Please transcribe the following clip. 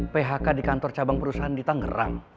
phk di kantor cabang perusahaan di tangerang